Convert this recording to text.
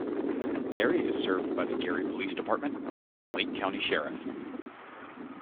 Gary is served by the Gary Police Department and the Lake County Sheriff.